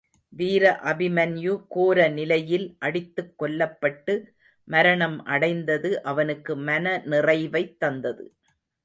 வீர அபிமன்யு கோர நிலையில் அடித்துக் கொல்லப்பட்டு மரணம் அடைந்தது அவனுக்கு மனநிறைவைத் தந்தது.